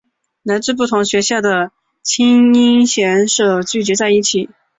来自不同学校的菁英选手聚集在一起。